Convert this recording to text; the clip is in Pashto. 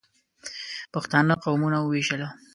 پښتانه قومونه ووېشله.